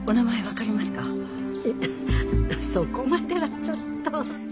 そこまではちょっと。